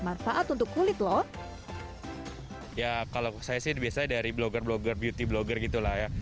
manfaat untuk kulit loh ya kalau saya sih biasanya dari blogger blogger beauty blogger gitu lah ya